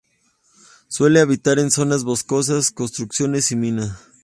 Suele habitar en zonas boscosas, construcciones y minas.